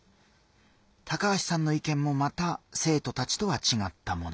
高橋さんの意見もまた生徒たちとは違ったもの。